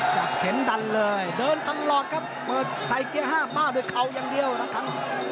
เข็นดันเลยเดินตลอดครับเปิดใส่เกียร์ห้าเป้าด้วยเข่าอย่างเดียวนะครับ